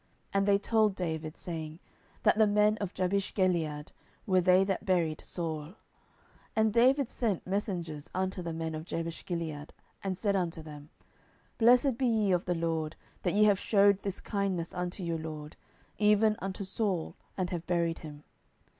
And they told David, saying, That the men of Jabeshgilead were they that buried Saul. 10:002:005 And David sent messengers unto the men of Jabeshgilead, and said unto them, Blessed be ye of the LORD, that ye have shewed this kindness unto your lord, even unto Saul, and have buried him.